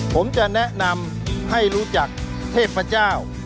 ผมจะแนะนำให้รู้จักเทพเจ้า